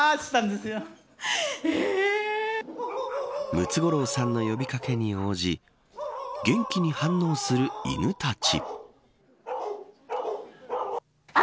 ムツゴロウさんの呼び掛けに応じ元気に反応する犬たち。